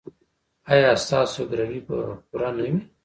ایا ستاسو ګروي به پوره نه وي؟